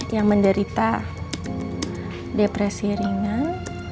yang menderita depresi ringan